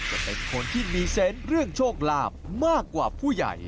จะเป็นคนที่มีเซนต์เรื่องโชคลาภมากกว่าผู้ใหญ่